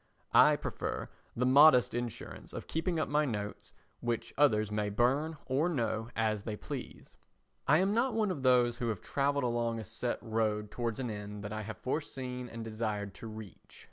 I prefer the modest insurance of keeping up my notes which others may burn or no as they please. I am not one of those who have travelled along a set road towards an end that I have foreseen and desired to reach.